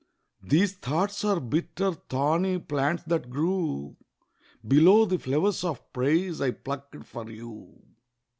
These thoughts are bitter—thorny plants, that grew Below the flowers of praise I plucked for you.